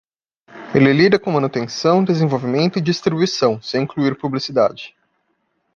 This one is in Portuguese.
Ele lida com manutenção, desenvolvimento e distribuição, sem incluir publicidade.